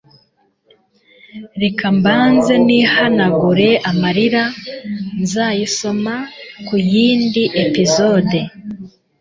rekambanze nihanagure amarira nzayisoma kuyindi episode